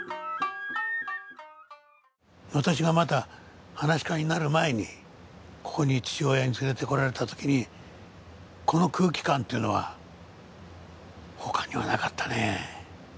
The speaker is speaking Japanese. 私がまだ噺家になる前にここに父親に連れてこられたときにこの空気感っていうのは他にはなかったね。